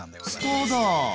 スターだ！